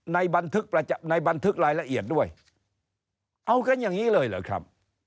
ในบันทึกรายละเอียดด้วยเอากันอย่างนี้เลยเหรอครับ